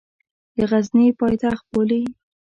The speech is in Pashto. د غزني پایتخت بولي.